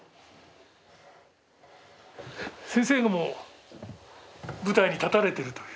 先生も舞台に立たれてるという。